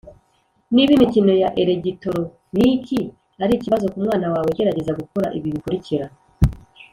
Niba imikino ya elegitoroniki ari ikibazo ku mwana wawe gerageza gukora ibi bikurikira